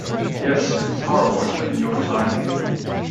Yes, far worse than in your time.